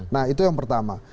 nah itu yang pertama